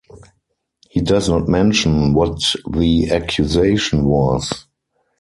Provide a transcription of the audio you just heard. He does not mention what the accusation was.